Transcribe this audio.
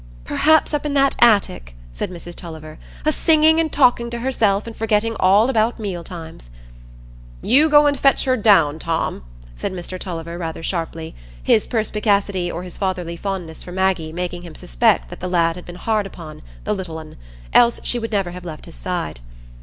"Perhaps up in that attic," said Mrs Tulliver, "a singing and talking to herself, and forgetting all about meal times." "You go and fetch her down, Tom," said Mr Tulliver, rather sharply,—his perspicacity or his fatherly fondness for Maggie making him suspect that the lad had been hard upon "the little un," else she would never have left his side.